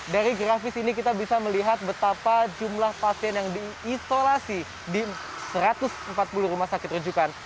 dari grafis ini kita bisa melihat betapa jumlah pasien yang diisolasi di satu ratus empat puluh rumah sakit rujukan